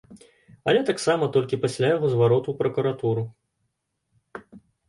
Але таксама толькі пасля яго звароту ў пракуратуру.